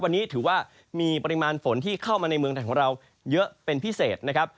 วันนี้ถือว่ามีปริมาณฝนที่เข้ามาในเมืองไทยของเราเยอะเป็นพิเศษนะครับ